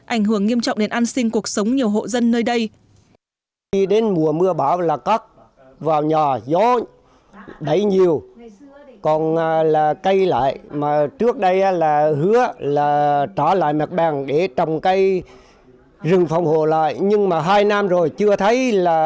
ảnh hưởng nghiêm trọng đến an sinh cuộc sống nhiều hộ dân nơi đây